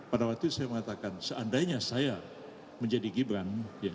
pada waktu itu saya mengatakan seandainya saya menjadi gibran